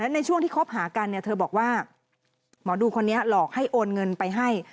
ในช่วงที่คบหากันเธอบอกว่าหมอดูคนนี้หลอกให้โอนเงินไปให้